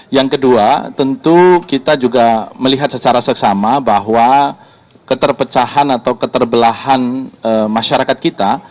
yang kedua tentu kita juga melihat secara seksama bahwa keterpecahan atau keterbelahan masyarakat kita